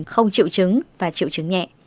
không triệu chứng và triệu chứng nhẹ